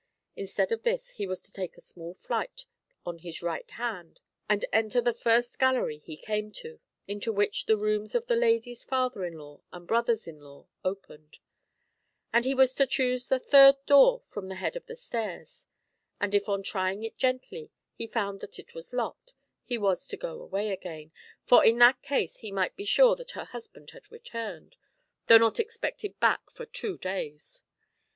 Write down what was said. Instead of this he was to take a small flight on his right hand, and enter the first gallery he came to, into which the rooms of the lady's father in law and brothers in law opened; and he was to choose the third door from the head of the stairs, and if on trying it gently he found that it was locked, he was to go away again, for in that case he might be sure that her husband had returned, though not expected back for two SECOND T>AY: TALE XIV. I47 days.